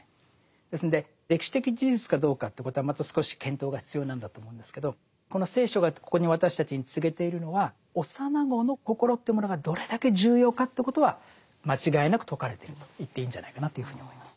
ですんで歴史的事実かどうかということはまた少し検討が必要なんだと思うんですけどこの聖書がここに私たちに告げているのは幼子の心というものがどれだけ重要かということは間違いなく説かれてると言っていいんじゃないかなというふうに思います。